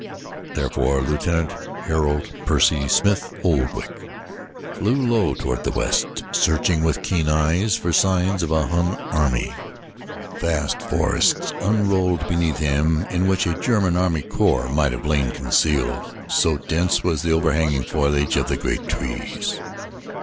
Therefore Lieutenant Harold Percy Smith Oldwick flew low toward the west, searching with keen eyes for signs of a Hun army. Vast forests unrolled beneath him in which a German army corps might have lain concealed, so dense was the overhanging foliage of the great trees.